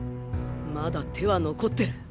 まだ手は残ってる！